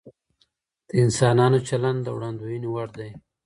د انسانانو چلند د وړاندوينې وړ دی.